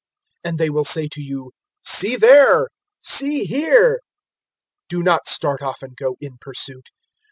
017:023 And they will say to you, `See there!' `See here!' Do not start off and go in pursuit.